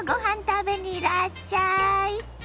食べにいらっしゃい。